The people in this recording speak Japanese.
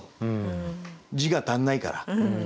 字が足んないから。